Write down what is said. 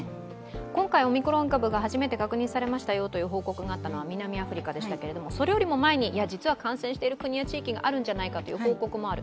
今回オミクロン株が初めて確認されましたよという報告があったのは南アフリカでしたけれどもそれよりも前に、いや、実は感染している国や地域があるんじゃないかという報告もある。